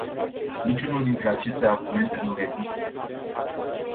Niciunul dintre aceste argumente nu rezistă.